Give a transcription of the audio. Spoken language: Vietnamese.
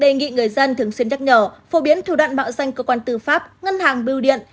đề nghị người dân thường xuyên nhắc nhở phổ biến thủ đoạn mạo danh cơ quan tư pháp ngân hàng bưu điện